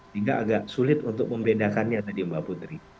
sehingga agak sulit untuk membedakannya tadi mbak putri